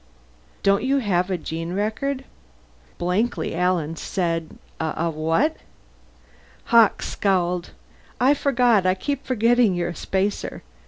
"Don't you have a gene record?" Blankly, Alan said, "A what?" Hawkes scowled. "I forgot I keep forgetting you're a spacer.